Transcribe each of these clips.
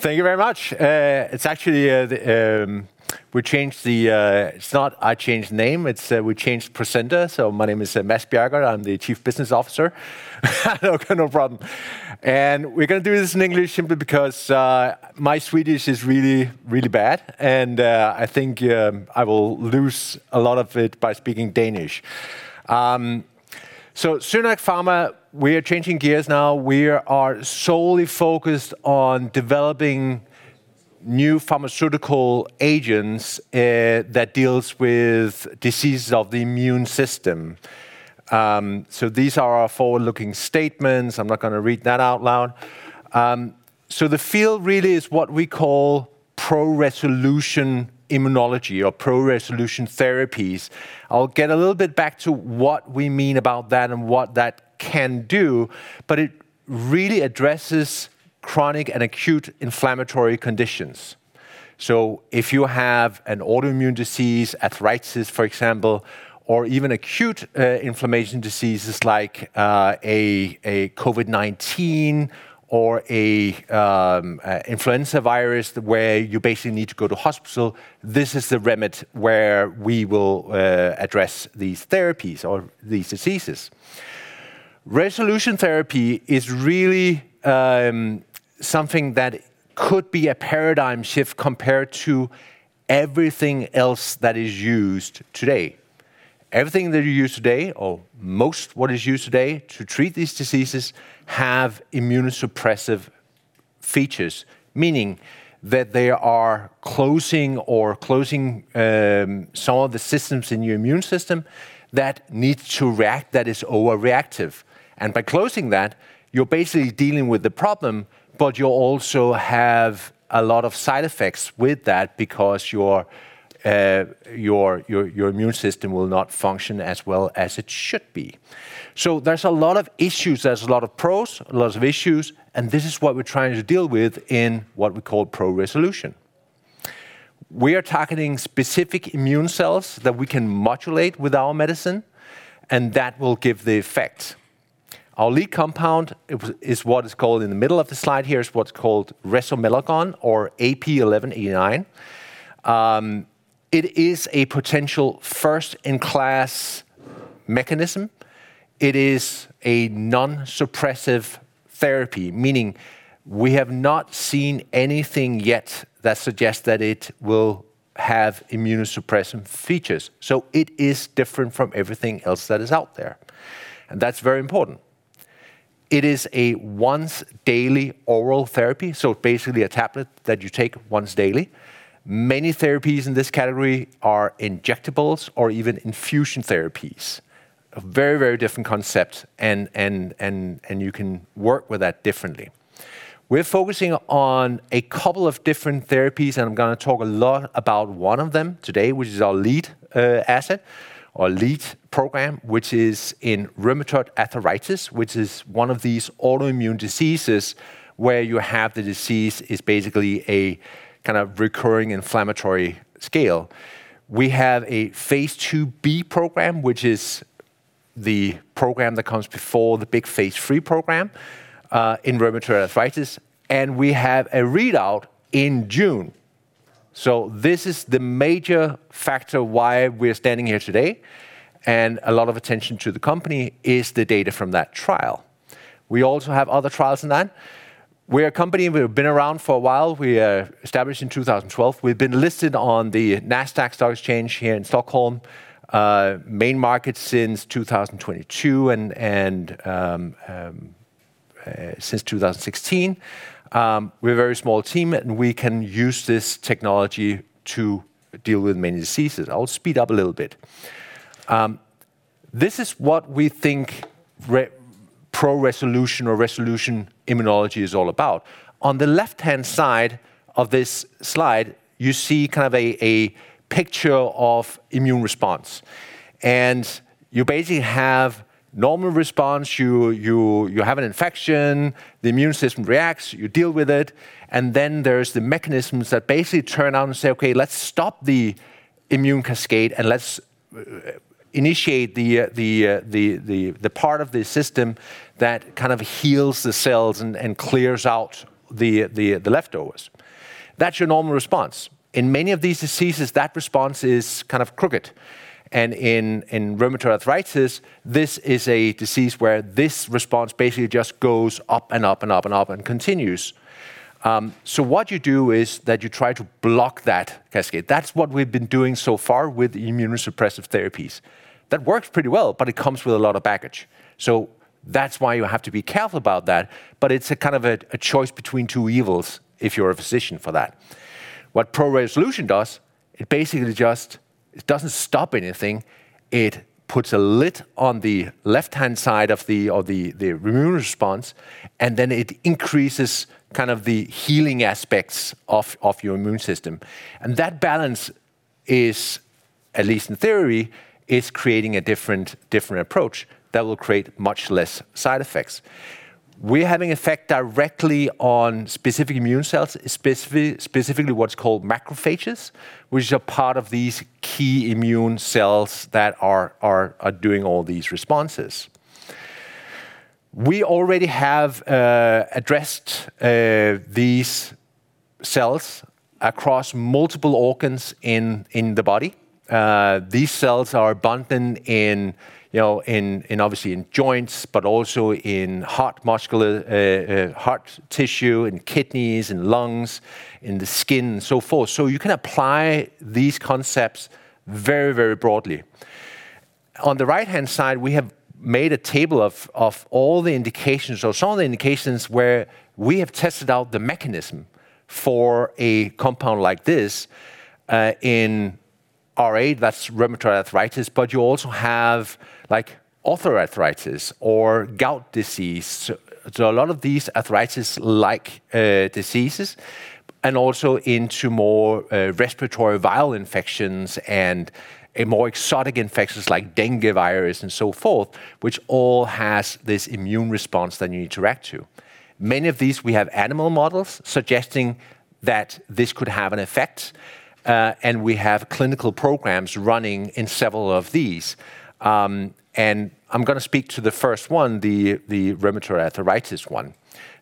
Thank you very much. It's not, I changed name, it's we changed presenter. My name is Mads Bjerregaard. I'm the Chief Business Officer. Okay, no problem. We're going to do this in English simply because my Swedish is really, really bad, and I think I will lose a lot of it by speaking Danish. SynAct Pharma, we are changing gears now. We are solely focused on developing new pharmaceutical agents that deals with diseases of the immune system. These are our forward-looking statements. I'm not going to read that out loud. The field really is what we call pro-resolution immunology or pro-resolution therapies. I'll get a little bit back to what we mean about that and what that can do, but it really addresses chronic and acute inflammatory conditions. If you have an autoimmune disease, arthritis, for example, or even acute inflammation diseases like a COVID-19 or an influenza virus where you basically need to go to hospital, this is the remit where we will address these therapies or these diseases. Resolution therapy is really something that could be a paradigm shift compared to everything else that is used today. Everything that you use today, or most what is used today to treat these diseases have immunosuppressive features. Meaning that they are closing or closing some of the systems in your immune system that is overreactive. By closing that, you're basically dealing with the problem, but you'll also have a lot of side effects with that because your immune system will not function as well as it should be. There's a lot of issues. There's a lot of pros, a lot of issues, this is what we're trying to deal with in what we call pro-resolution. We are targeting specific immune cells that we can modulate with our medicine, that will give the effect. Our lead compound is what is called in the middle of the slide here, is what's called resomelagon or AP1189. It is a potential first-in-class mechanism. It is a non-suppressive therapy, meaning we have not seen anything yet that suggests that it will have immunosuppressant features. It is different from everything else that is out there, and that's very important. It is a once daily oral therapy, so basically a tablet that you take once daily. Many therapies in this category are injectables or even infusion therapies. A very different concept and you can work with that differently. We're focusing on a couple of different therapies, I'm going to talk a lot about one of them today, which is our lead asset. Our lead program, which is in rheumatoid arthritis, which is one of these autoimmune diseases where you have the disease, is basically a kind of recurring inflammatory scale. We have a phase II-B program, which is the program that comes before the big phase III program, in rheumatoid arthritis. We have a readout in June. This is the major factor why we're standing here today, and a lot of attention to the company is the data from that trial. We also have other trials than that. We're a company, we've been around for a while. We established in 2012. We've been listed on the Nasdaq Stock Exchange here in Stockholm, main market since 2022 and since 2016. We're a very small team. We can use this technology to deal with many diseases. I'll speed up a little bit. This is what we think pro-resolution or resolution immunology is all about. On the left-hand side of this slide, you see kind of a picture of immune response. You basically have normal response. You have an infection, the immune system reacts, you deal with it. Then there's the mechanisms that basically turn on and say, "Okay, let's stop the immune cascade and let's initiate the part of the system that kind of heals the cells and clears out the leftovers." That's your normal response. In many of these diseases, that response is kind of crooked. In rheumatoid arthritis, this is a disease where this response basically just goes up and up and up and up and continues. What you do is that you try to block that cascade. That's what we've been doing so far with immunosuppressive therapies. That works pretty well, but it comes with a lot of baggage. That's why you have to be careful about that, but it's a kind of a choice between two evils if you're a physician for that. What pro-resolution does, it doesn't stop anything. It puts a lid on the left-hand side of the immune response. Then it increases kind of the healing aspects of your immune system. That balance is, at least in theory, is creating a different approach that will create much less side effects. We're having effect directly on specific immune cells, specifically what's called macrophages, which are part of these key immune cells that are doing all these responses. We already have addressed these cells across multiple organs in the body. These cells are abundant obviously in joints, but also in heart tissue, in kidneys, in lungs, in the skin, and so forth. You can apply these concepts very, very broadly. On the right-hand side, we have made a table of all the indications or some of the indications where we have tested out the mechanism for a compound like this in RA, that's rheumatoid arthritis, but you also have osteoarthritis or gout disease. A lot of these arthritis-like diseases, and also into more respiratory viral infections and more exotic infections like dengue virus and so forth, which all has this immune response that you interact to. Many of these, we have animal models suggesting that this could have an effect. We have clinical programs running in several of these. I'm going to speak to the first one, the rheumatoid arthritis one.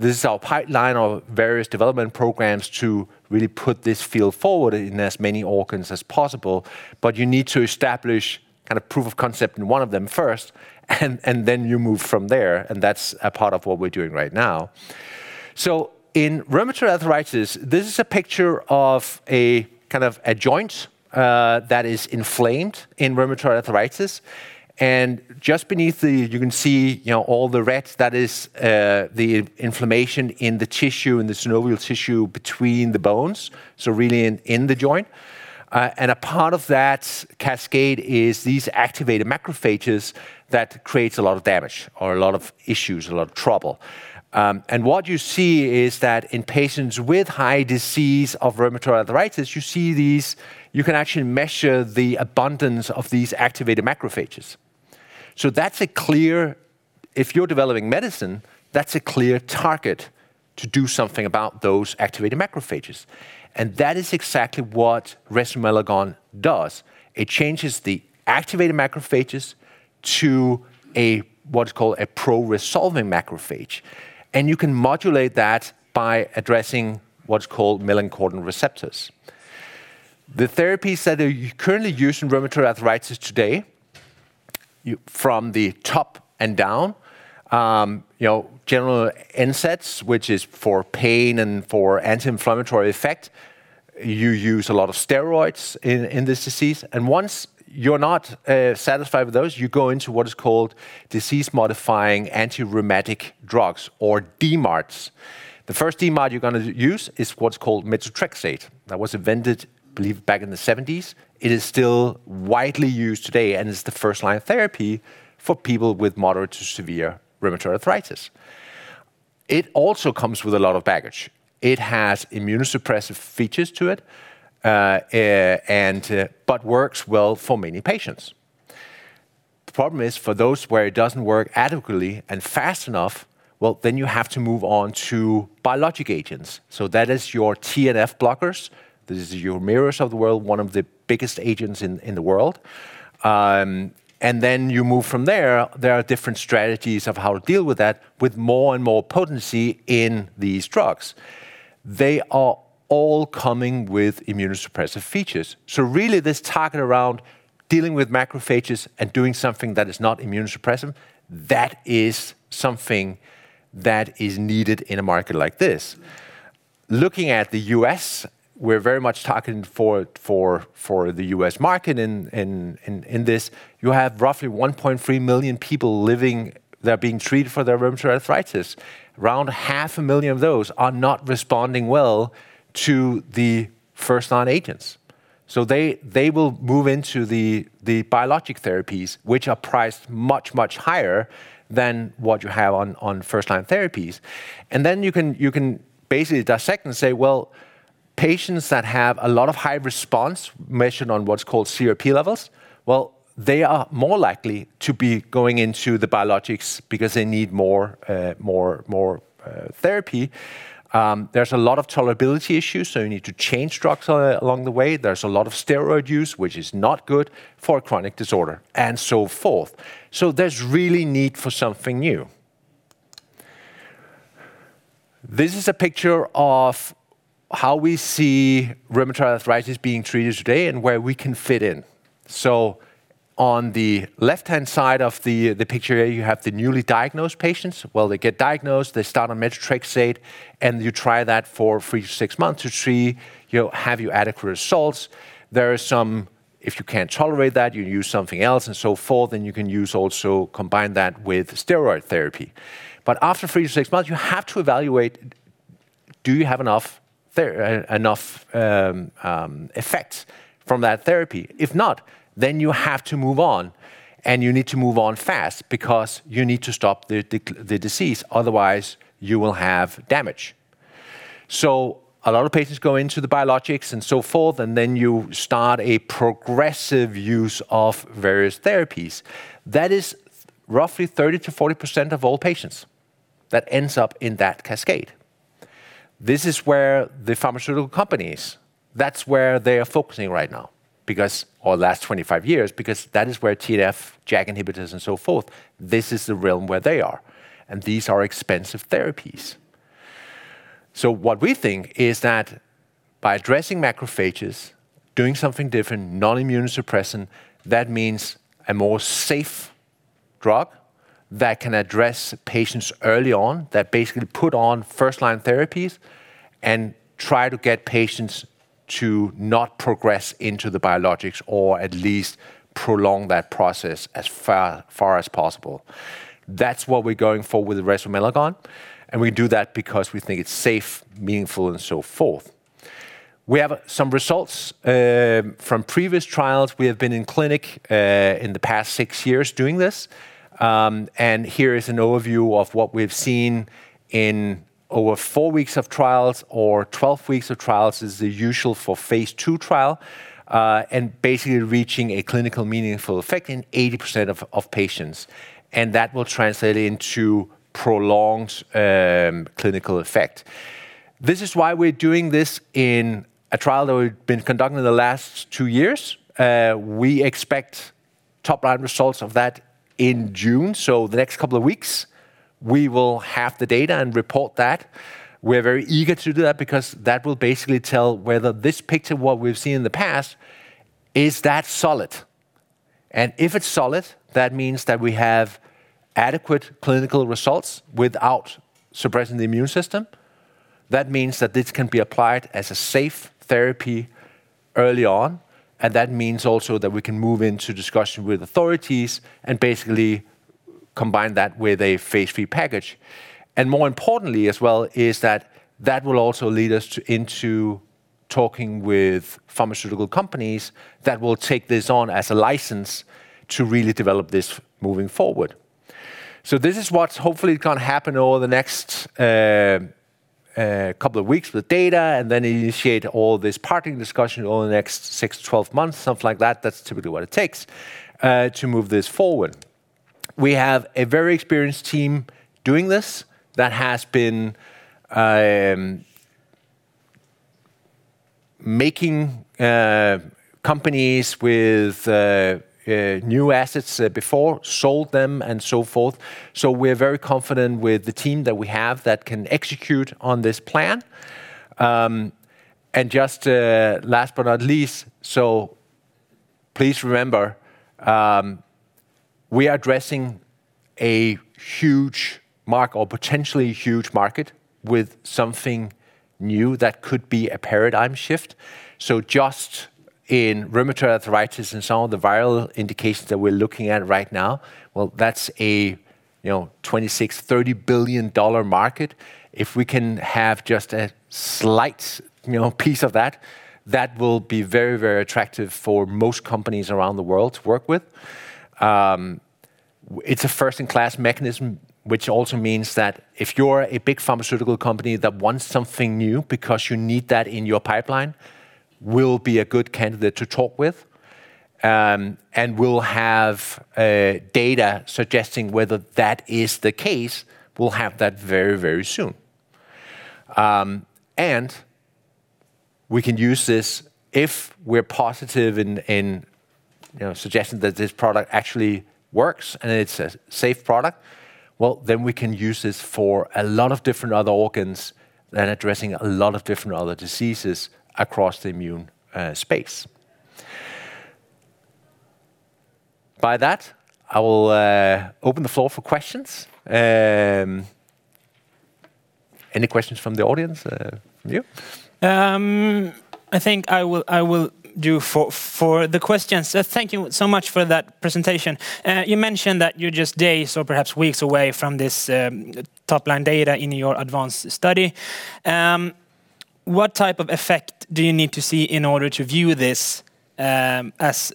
This is our pipeline of various development programs to really put this field forward in as many organs as possible, but you need to establish proof of concept in one of them first. Then you move from there. That's a part of what we're doing right now. In rheumatoid arthritis, this is a picture of a joint that is inflamed in rheumatoid arthritis. Just beneath you can see all the red. That is the inflammation in the tissue, in the synovial tissue between the bones, so really in the joint. A part of that cascade is these activated macrophages that creates a lot of damage or a lot of issues, a lot of trouble. What you see is that in patients with high disease of rheumatoid arthritis, you see these, you can actually measure the abundance of these activated macrophages. If you're developing medicine, that's a clear target to do something about those activated macrophages, and that is exactly what resomelagon does. It changes the activated macrophages to what's called a pro-resolving macrophage, and you can modulate that by addressing what's called melanocortin receptors. The therapies that are currently used in rheumatoid arthritis today, from the top and down, general NSAIDs, which is for pain and for anti-inflammatory effect. You use a lot of steroids in this disease. Once you're not satisfied with those, you go into what is called disease-modifying antirheumatic drugs or DMARDs. The first DMARD you're going to use is what's called methotrexate. That was invented, I believe, back in the 1970s. It is still widely used today and is the first line of therapy for people with moderate to severe rheumatoid arthritis. It also comes with a lot of baggage. It has immunosuppressive features to it, but works well for many patients. The problem is for those where it doesn't work adequately and fast enough, then you have to move on to biologic agents. That is your TNF blockers. This is your HUMIRA of the world, one of the biggest agents in the world. You move from there. There are different strategies of how to deal with that with more and more potency in these drugs. They are all coming with immunosuppressive features. Really this target around dealing with macrophages and doing something that is not immunosuppressive, that is something that is needed in a market like this. Looking at the U.S., we're very much talking for the U.S. market in this. You have roughly 1.3 million people living that are being treated for their rheumatoid arthritis. Around 500,000 of those are not responding well to the first-line agents. They will move into the biologic therapies, which are priced much, much higher than what you have on first-line therapies. You can basically dissect and say, well, patients that have a lot of high response measured on what's called CRP levels, well, they are more likely to be going into the biologics because they need more therapy. There's a lot of tolerability issues, so you need to change drugs along the way. There's a lot of steroid use, which is not good for a chronic disorder and so forth. There's really need for something new. This is a picture of how we see rheumatoid arthritis being treated today and where we can fit in. On the left-hand side of the picture, you have the newly diagnosed patients. Well, they get diagnosed, they start on methotrexate, and you try that for three to six months to see, have you adequate results. If you can't tolerate that, you use something else and so forth, and you can also combine that with steroid therapy. After three to six months, you have to evaluate, do you have enough effects from that therapy? If not, then you have to move on, and you need to move on fast because you need to stop the disease, otherwise you will have damage. A lot of patients go into the biologics and so forth, and then you start a progressive use of various therapies. That is roughly 30%-40% of all patients that ends up in that cascade. This is where the pharmaceutical companies are focusing right now, or the last 25 years, because that is where TNF, JAK-inhibitors, and so forth, this is the realm where they are. These are expensive therapies. What we think is that by addressing macrophages, doing something different, non-immunosuppressant, that means a more safe drug that can address patients early on, that basically put on first-line therapies and try to get patients to not progress into the biologics or at least prolong that process as far as possible. That's what we're going for with resomelagon. We do that because we think it's safe, meaningful, and so forth. We have some results from previous trials. We have been in clinic in the past six years doing this. Here is an overview of what we've seen in over four weeks of trials or 12 weeks of trials, is the usual for phase II trial, and basically reaching a clinical meaningful effect in 80% of patients. That will translate into prolonged clinical effect. This is why we're doing this in a trial that we've been conducting the last two years. We expect top-line results of that in June. The next couple of weeks, we will have the data and report that. We're very eager to do that because that will basically tell whether this picture, what we've seen in the past, is that solid. If it's solid, that means that we have adequate clinical results without suppressing the immune system. That means that this can be applied as a safe therapy early on, and that means also that we can move into discussion with authorities and basically combine that with a phase III package. More importantly as well is that that will also lead us into talking with pharmaceutical companies that will take this on as a license to really develop this moving forward. This is what's hopefully going to happen over the next couple of weeks with data and then initiate all this partnering discussion over the next 6-12 months, something like that. That's typically what it takes to move this forward. We have a very experienced team doing this that has been making companies with new assets before, sold them, and so forth. We're very confident with the team that we have that can execute on this plan. Just last but not least, please remember, we are addressing a potentially huge market with something new that could be a paradigm shift. Just in rheumatoid arthritis and some of the viral indications that we're looking at right now, well, that's a $26 billion, $30 billion market. If we can have just a slight piece of that will be very, very attractive for most companies around the world to work with. It's a first-in-class mechanism, which also means that if you're a big pharmaceutical company that wants something new because you need that in your pipeline, we'll be a good candidate to talk with. We'll have data suggesting whether that is the case. We'll have that very, very soon. We can use this if we're positive in suggesting that this product actually works and it's a safe product. We can use this for a lot of different other organs and addressing a lot of different other diseases across the immune space. By that, I will open the floor for questions. Any questions from the audience? From you? I think I will do for the questions. Thank you so much for that presentation. You mentioned that you're just days or perhaps weeks away from this top-line data in your ADVANCE study. What type of effect do you need to see in order to view this as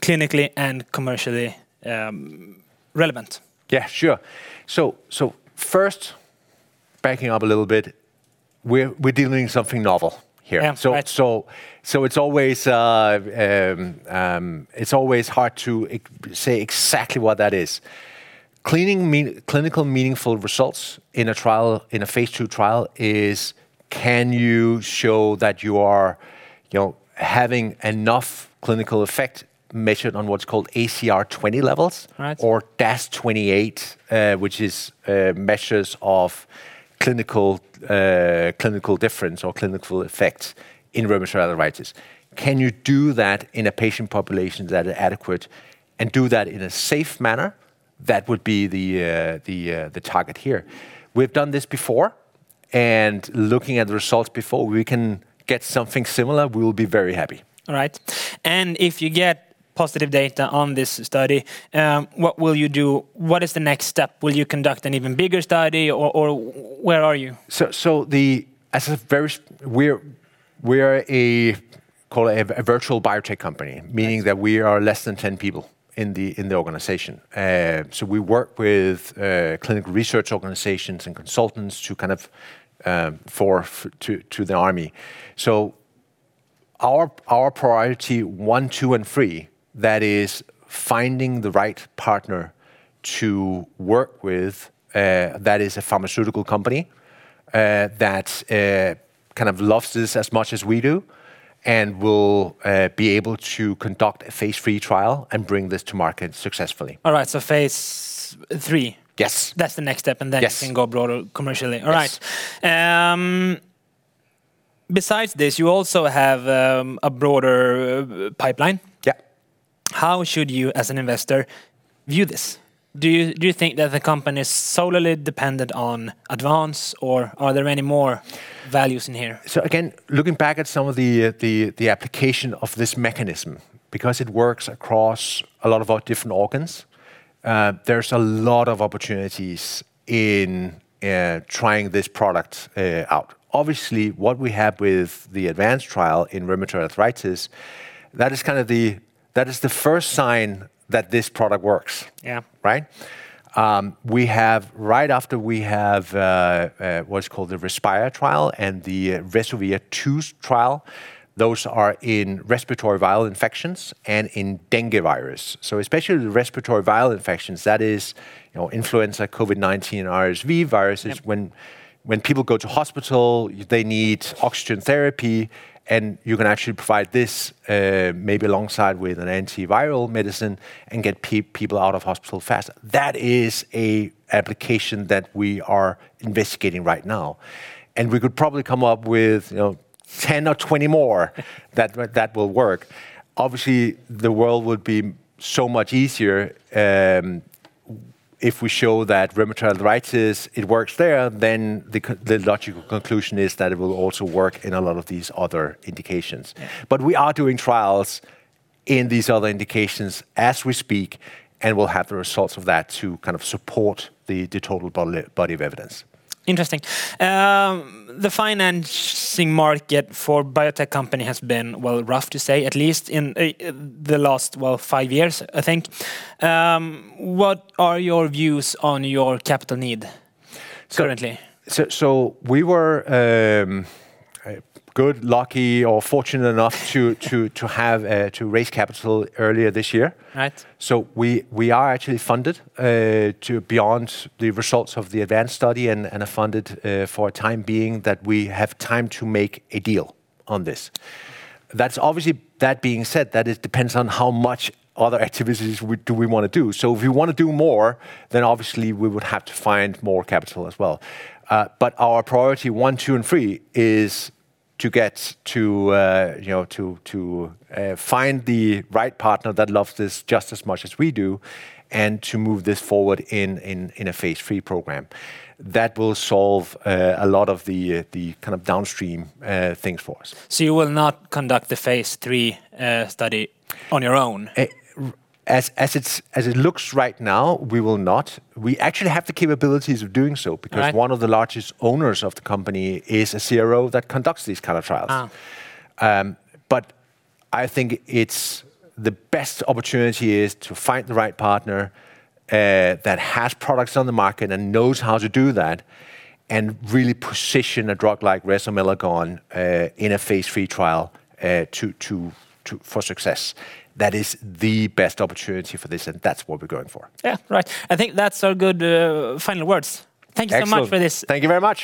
clinically and commercially relevant? Yeah, sure. First, backing up a little bit, we're dealing with something novel here. Yeah. Right. It's always hard to say exactly what that is. Clinical meaningful results in a phase II trial is can you show that you are having enough clinical effect measured on what's called ACR20 levels— Right. — or DAS28, which is measures of clinical difference or clinical effects in rheumatoid arthritis. Can you do that in a patient population that are adequate and do that in a safe manner? That would be the target here. We've done this before, and looking at the results before, we can get something similar, we will be very happy. All right. If you get positive data on this study, what will you do? What is the next step? Will you conduct an even bigger study or where are you? We're a call it a virtual biotech company, meaning that we are less than 10 people in the organization. We work with clinical research organizations and consultants to the army. Our priority one, two, and three, that is finding the right partner to work with, that is a pharmaceutical company that loves this as much as we do, and will be able to conduct a phase III trial and bring this to market successfully. All right. phase III? Yes. That's the next step. Yes You can go broader commercially. Yes. All right. Besides this, you also have a broader pipeline. Yeah. How should you, as an investor, view this? Do you think that the company is solely dependent on ADVANCE, or are there any more values in here? Again, looking back at some of the application of this mechanism, because it works across a lot of our different organs, there's a lot of opportunities in trying this product out. Obviously, what we have with the ADVANCE trial in rheumatoid arthritis, that is the first sign that this product works. Yeah. Right? Right after we have what's called the RESPIRE trial and the RESOVIR-2 trial. Those are in respiratory viral infections and in dengue virus. Especially the respiratory viral infections, that is influenza, COVID-19, RSV viruses. Yep. When people go to hospital, they need oxygen therapy, and you can actually provide this, maybe alongside with an antiviral medicine, and get people out of hospital faster. That is an application that we are investigating right now, and we could probably come up with 10 or 20 more that will work. Obviously, the world would be so much easier if we show that rheumatoid arthritis, it works there, then the logical conclusion is that it will also work in a lot of these other indications. Yeah. We are doing trials in these other indications as we speak. We'll have the results of that to support the total body of evidence. Interesting. The financing market for biotech company has been, well, rough, to say, at least in the last, well, five years, I think. What are your views on your capital need currently? We were good, lucky, or fortunate enough to raise capital earlier this year. Right. We are actually funded to beyond the results of the ADVANCE study. We are funded for a time being that we have time to make a deal on this. Obviously, that being said, that it depends on how much other activities do we want to do. If we want to do more, obviously we would have to find more capital as well. Our priority one, two, and three is to find the right partner that loves this just as much as we do and to move this forward in a phase III program. That will solve a lot of the downstream things for us. You will not conduct the phase III study on your own? As it looks right now, we will not. We actually have the capabilities of doing so. Right One of the largest owners of the company is a CRO that conducts these kind of trials. I think the best opportunity is to find the right partner that has products on the market and knows how to do that, and really position a drug like resomelagon in a phase III trial for success. That is the best opportunity for this, and that's what we're going for. Yeah, right. I think that is all good final words. Excellent. Thank you so much for this. Thank you very much.